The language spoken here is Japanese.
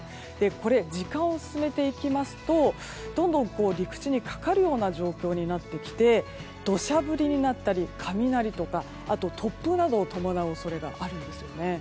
これ、時間を進めていきますとどんどん陸地にかかるような状況になってきて土砂降りになったり、雷とかあと、突風などを伴う恐れがあるんですよね。